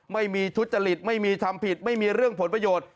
ทุจริตไม่มีทำผิดไม่มีเรื่องผลประโยชน์